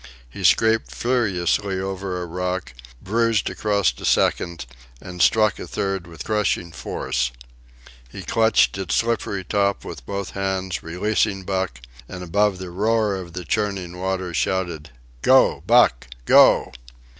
He scraped furiously over a rock, bruised across a second, and struck a third with crushing force. He clutched its slippery top with both hands, releasing Buck, and above the roar of the churning water shouted: "Go, Buck! Go!"